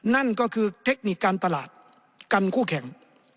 นั่นก็คือเทคนิคการตลาดกันคู่แข่ง